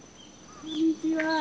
こんにちは。